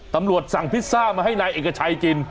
ตำรวจสั่งพิซซ่ามาให้นายเอกชัยกิน